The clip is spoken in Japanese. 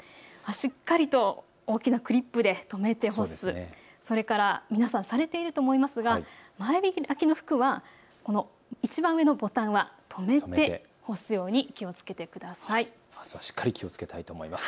しっかりと大きなクリップで留めて干す、それから皆さんされていると思いますが前開きの服はいちばん上のボタンは留めて干すように気をつけてください。